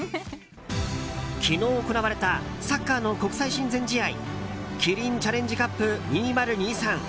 昨日行われたサッカーの国際親善試合キリンチャレンジカップ２０２３。